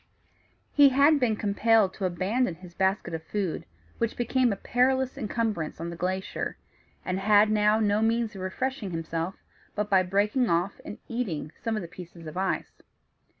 He had been compelled to abandon his basket of food, which became a perilous incumbrance on the glacier, and had now no means of refreshing himself but by breaking off and eating some of the pieces of ice.